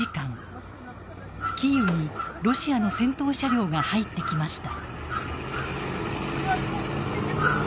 キーウにロシアの戦闘車両が入ってきました。